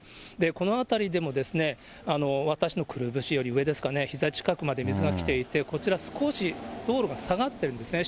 この辺りでも、私のくるぶしより上ですかね、ひざ近くまで水が来ていて、こちら、少し道路が下がってるんですね。